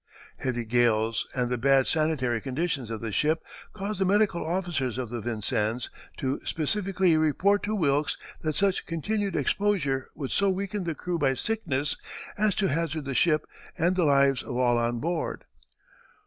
Heavy gales and the bad sanitary condition of the ship caused the medical officers of the Vincennes to specially report to Wilkes that such continued exposure would so weaken the crew by sickness as to hazard the ship and the lives of all on board.